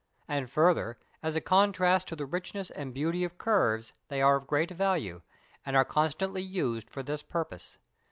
And further, as a contrast to the richness and beauty of curves they are of great value, and are constantly used for this purpose.